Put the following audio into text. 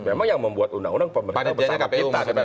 memang yang membuat undang undang pemerintah bersama kita